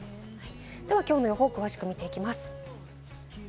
ではきょうの予報を詳しく見ていきます。